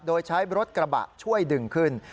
โดยใช้รถกระบะช่วยดึงขึ้น